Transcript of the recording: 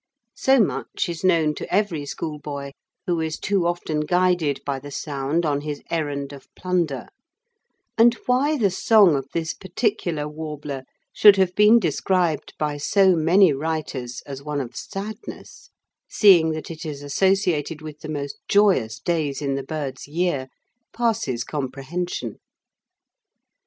So much is known to every schoolboy who is too often guided by the sound on his errand of plunder; and why the song of this particular warbler should have been described by so many writers as one of sadness, seeing that it is associated with the most joyous days in the bird's year, passes comprehension.